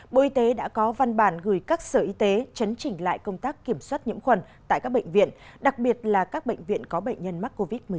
bộ y tế đã có văn bản gửi các sở y tế chấn chỉnh lại công tác kiểm soát nhiễm khuẩn tại các bệnh viện đặc biệt là các bệnh viện có bệnh nhân mắc covid một mươi chín